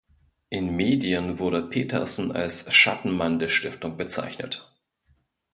In Medien wurde Petersen als „Schattenmann der Stiftung“ bezeichnet.